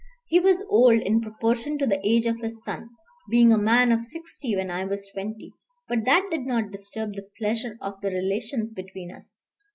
He was old in proportion to the age of his son, being a man of sixty when I was twenty, but that did not disturb the pleasure of the relations between us.